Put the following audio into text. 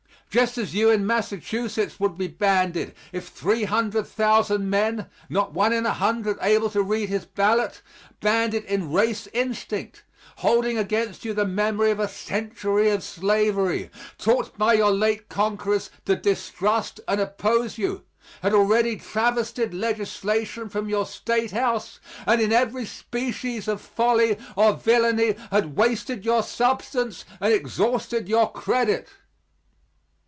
Just as you in Massachusetts would be banded if 300,000 men, not one in a hundred able to read his ballot banded in race instinct, holding against you the memory of a century of slavery, taught by your late conquerors to distrust and oppose you, had already travestied legislation from your State House, and in every species of folly or villainy had wasted your substance and exhausted your credit.